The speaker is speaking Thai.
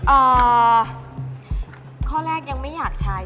เอ่อข้อแรกยังไม่อยากใช้